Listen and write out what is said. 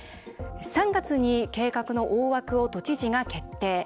３月に計画の大枠を都知事が決定。